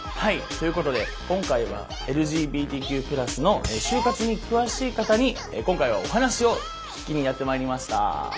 ということで今回はＬＧＢＴＱ＋の就活に詳しい方に今回はお話を聞きにやって参りました！